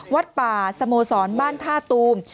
วัดป่าสโมสรบ้านท่าตูม